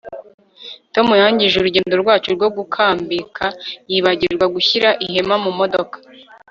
tom yangije urugendo rwacu rwo gukambika yibagirwa gushyira ihema mu modoka